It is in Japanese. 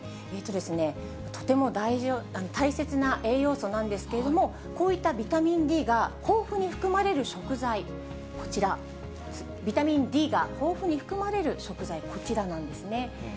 とても大切な栄養素なんですけれども、こういったビタミンＤが豊富に含まれる食材、こちら、ビタミンＤが豊富に含まれる食材、こちらなんですね。